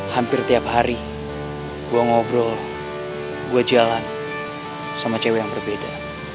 hampir tiap hari gue ngobrol gue jalan sama cewek yang berbeda